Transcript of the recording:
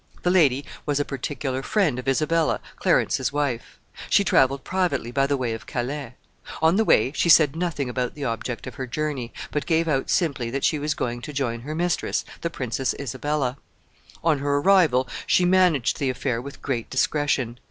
The lady was a particular friend of Isabella, Clarence's wife. She traveled privately by the way of Calais. On the way she said nothing about the object of her journey, but gave out simply that she was going to join her mistress, the Princess Isabella. On her arrival she managed the affair with great discretion.